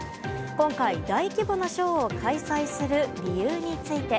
今回、大規模なショーを開催する理由について。